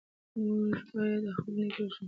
موږ بايد د خپلو نيکونو ژبه ژوندۍ وساتو.